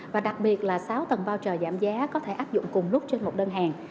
và đặc biệt là sáu tầng voucher giảm giá có thể áp dụng cùng lúc trên một đơn hàng